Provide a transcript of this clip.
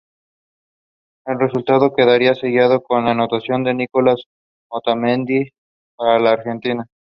El resultado quedaría sellado con la anotación de Nicolás Otamendi para la Argentina.